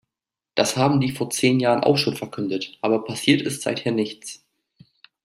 Das haben die vor zehn Jahren auch schon verkündet, aber passiert ist seither nichts.